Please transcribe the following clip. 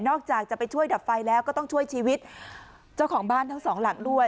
จากจะไปช่วยดับไฟแล้วก็ต้องช่วยชีวิตเจ้าของบ้านทั้งสองหลังด้วย